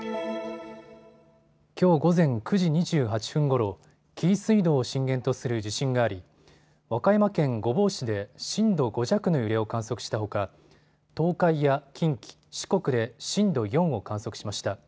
きょう午前９時２８分ごろ紀伊水道を震源とする地震があり和歌山県御坊市で震度５弱の揺れを観測したほか東海や近畿、四国で震度４を観測しました。